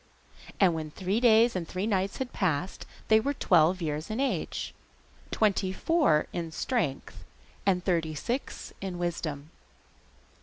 And when three days and three nights had passed they were twelve years in age, twenty four in strength, and thirty six in wisdom.